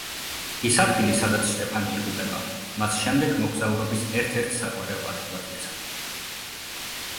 ის ადგილი, სადაც შტეფანი იღუპება, მას შემდეგ მოგზაურების ერთ-ერთ საყვარელ ადგილად იქცა.